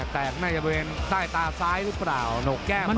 แตกน่าจะเป็นใต้ตาซ้ายหรือเปล่าหนกแก้มมานะ